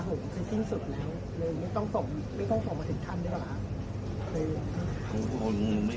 ไม่ต้องส่งไม่ต้องส่งมาถึงท่านด้วยหรือ